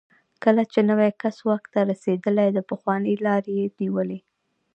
کله چې نوی کس واک ته رسېدلی، د پخواني لار یې نیولې.